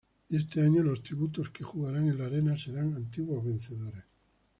Y este año los tributos que jugarán en la arena serán antiguos vencedores.